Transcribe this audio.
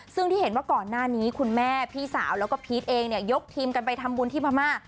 ซึ่งที่เห็นว่าก่อนหน้านี้คุณแม่พี่สาวแล้วก็พีชเองเนี่ยยกทีมกันไปทำบุญที่พม่า